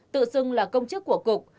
tự xưng là công chức của cục